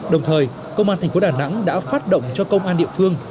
đồng thời công an thành phố đà nẵng đã phát động cho công an địa phương